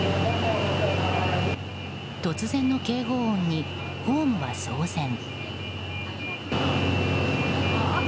突然の警報音にホームは騒然。